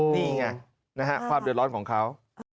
นี่ไงนะฮะความเดือดร้อนของเขา